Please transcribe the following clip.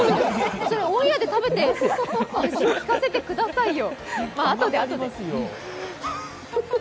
オンエアで食べて聞かせてくださいよ！